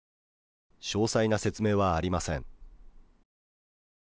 詳細な説明はありません。